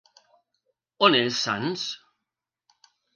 On és Sants?